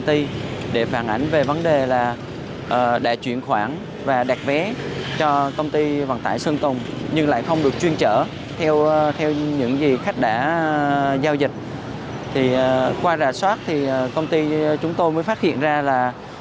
theo những gì khách đã giao dịch qua rà soát thì công ty chúng tôi mới phát hiện ra là